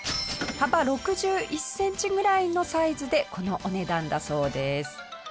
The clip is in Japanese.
幅６１センチぐらいのサイズでこのお値段だそうです。